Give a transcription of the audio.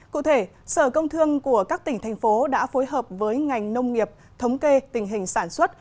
cụ thể sở công thương của các tỉnh thành phố đã phối hợp với ngành nông nghiệp thống kê tình hình sản xuất